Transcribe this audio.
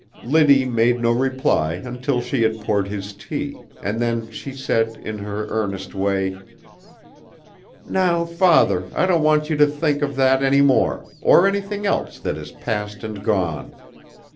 Liddy made no reply until she had poured his tea, and then she said, in her earnest way: "Now, father, I don't want you to think of that any more, or anything else that is past and gone.